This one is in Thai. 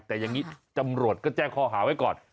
แต่อย่างนี้ตำรวจก็แจ้งข้อหาไว้ก่อน